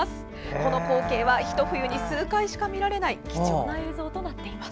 この光景は一冬に数回しか見られない貴重な映像となっています。